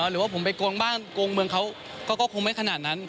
หรือว่าผมไปโกงบ้านโกงเมืองเขาก็คงไม่ขนาดนั้น